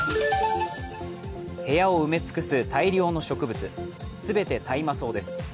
部屋を埋め尽くす大量の植物、全て大麻草です。